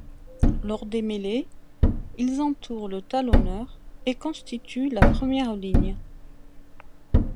Lors des mêlées, ils entourent le talonneur et constituent la première ligne.